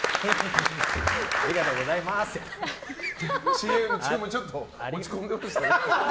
ＣＭ中もちょっと落ち込んでましたね。